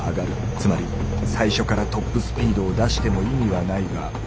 つまり最初からトップスピードを出しても意味はないが。